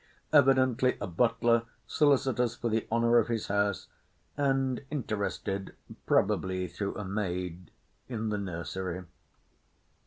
Evidently a butler solicitous for the honour of his house, and interested, probably through a maid, in the nursery.